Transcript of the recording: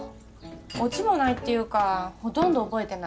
オチもないっていうかほとんど覚えてない。